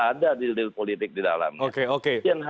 ada deal deal politik di dalamnya